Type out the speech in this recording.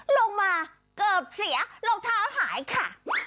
ลงมาเกือบเสียรองเท้าหายค่ะ